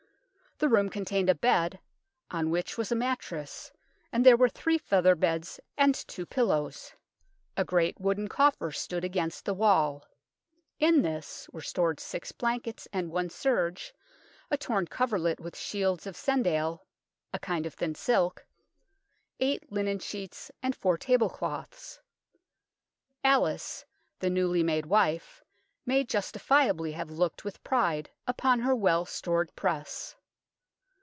The room contained a bed, on which was a mattress, and there were three feather beds and two pillows. A great wooden coffer stood 244 UNKNOWN LONDON against the wall. In this were stored six blankets and one serge, a torn coverlet with shields of cendale (a kind of thin silk), eight linen sheets and four table cloths. Alice, the newly made wife, may justifiably have looked with pride upon her well stored press.